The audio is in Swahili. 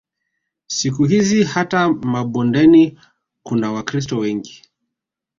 Siku hizi hata mabondeni kuna Wakristo wengi